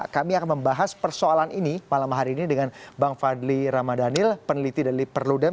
kami akan membahas persoalan ini malam hari ini dengan bang fadli ramadhanil peneliti dari perludem